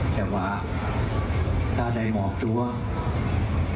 แต่ว่าถ้าใดหมอกทวน